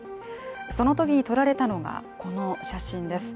そのときに撮られたのがこの写真です。